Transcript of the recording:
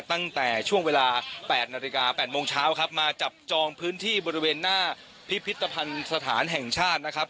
ตั้งแต่เวลา๐๘๐๐นมาจับจองพื้นที่บริเวณหน้าพิพิธธภัณฑ์สถานแห่งชาติ